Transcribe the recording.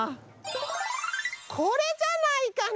これじゃないかな？